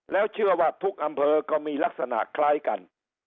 แล้วเชื่อว่าทุกอำเภอก็มีลักษณะคล้ายกัน